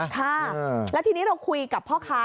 ค่ะแล้วทีนี้เราคุยกับพ่อค้า